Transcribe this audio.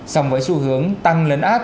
xong với xu hướng tăng lấn át